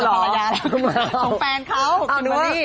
เต้มพร่าเออเหรอก็เจ้าแฟนเขาเอานม้ะนี้